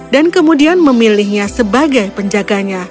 dan kemudian memilihnya sebagai penjaganya